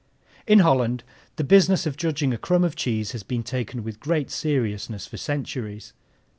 In Holland the business of judging a crumb of cheese has been taken with great seriousness for centuries.